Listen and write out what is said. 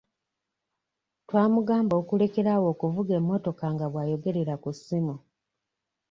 Twamugamba okulekera awo okuvuga emmotoka nga bw'ayogerera ku ssimu.